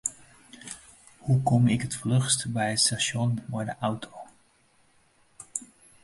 Hoe kom ik it fluchst by it stasjon mei de auto?